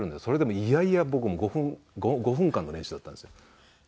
それでも嫌々僕も５分間の練習だったんですよ。